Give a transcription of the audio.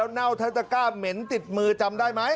เน่าทั้งตะก้าเหม็นติดมือจำได้ไหม